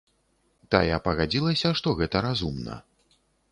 Тая пагадзілася, што гэта разумна.